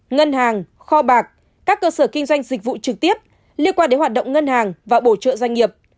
ngân hàng kho bạc các cơ sở kinh doanh dịch vụ trực tiếp liên quan đến hoạt động ngân hàng và bổ trợ doanh nghiệp